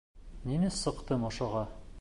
Ниңә сыҡтым ошоға?